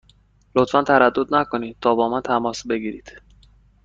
لطفا تردید نکنید تا با من تماس بگیرید.